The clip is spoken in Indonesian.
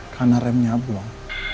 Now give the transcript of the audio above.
karena remnya blong